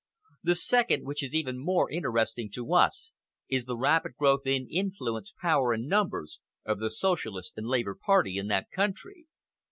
The second, which is even more interesting to us, is the rapid growth in influence, power, and numbers of the Socialist and Labour Party in that country."